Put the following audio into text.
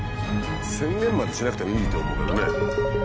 宣言までしなくてもいいと思うけどね。